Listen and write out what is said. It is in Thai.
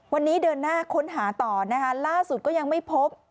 วันนี้เดินหน้าค้นหาต่อนะคะล่าสุดก็ยังไม่พบ